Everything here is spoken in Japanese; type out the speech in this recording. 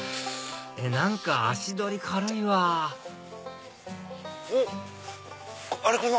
何か足取り軽いわおっあれかな？